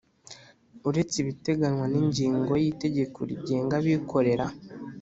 Uretse ibiteganywa n’ingingo y’Itegeko rigenga abikorera